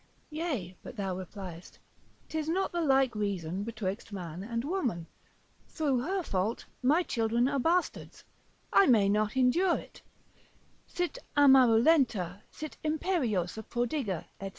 Yea but thou repliest, 'tis not the like reason betwixt man and woman, through her fault my children are bastards, I may not endure it; Sit amarulenta, sit imperiosa prodiga, &c.